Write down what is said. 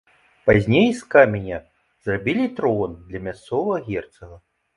Пазней з каменя зрабілі трон для мясцовага герцага.